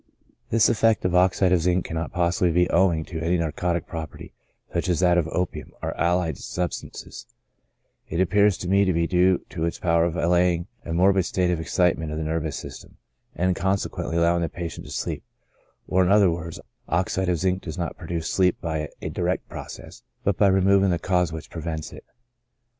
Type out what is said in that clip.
88 CHRONIC ALCOHOLISM. This effect of oxide of zinc cannot possibly be owing to any narcotic property, such as that of opium, or allied sub stances ; it appears to me to be due to its power of allaying a morbid state of excitement of the nervous system, and consequently allowing the patient to sleep ; or, in other words, oxide of zinc does not produce sleep by a direct pro cess, but by removing the cause which prevents it.